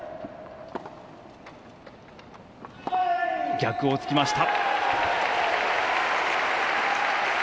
逆をつきました。